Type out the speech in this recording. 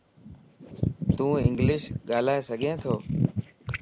تون انگلش ڳالھائي سڳي تو؟